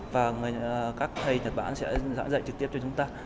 và các thầy nhật bản sẽ giảng dạy trực tiếp cho chúng ta